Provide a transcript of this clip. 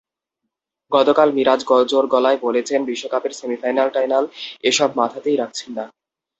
গতকাল মিরাজ জোর গলায় বলেছেন বিশ্বকাপের সেমিফাইনাল-টাইনাল এসব মাথাতেই রাখছেন না।